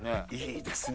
いいですね。